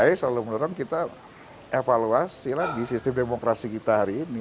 ya saya selalu menurut kita evaluasi lagi sistem demokrasi kita hari ini